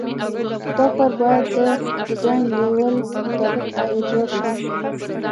دا کار باید د ډیزاین لیول مطابق اجرا شي